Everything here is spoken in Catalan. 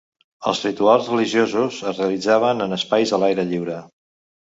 Els rituals religiosos es realitzaven en espais a l'aire lliure.